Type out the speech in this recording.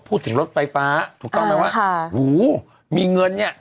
พูดถึงรถไฟฟ้าถูกต้องไหมว่าอ่าค่ะอูมีเงินเนี้ย